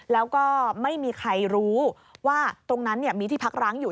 แล้วก็ไม่มีใครรู้ว่าตรงนั้นมีที่พักร้างอยู่